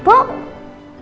tidak ada waktu lagi